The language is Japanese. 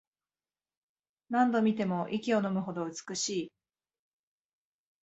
何度見ても息をのむほど美しい